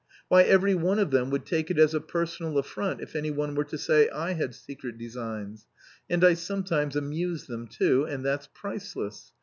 Why, every one of them would take it as a personal affront if anyone were to say I had secret designs. And I sometimes amuse them too, and that's priceless.